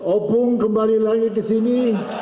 opung kembali lagi ke sini